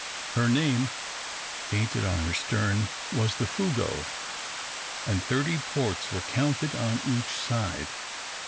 Her name painted on her stern was the "Fougueux," and thirty ports were counted on each side.